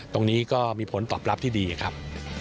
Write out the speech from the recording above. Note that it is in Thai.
ตรงนี้ก็มีผลตอบรับที่ดีครับ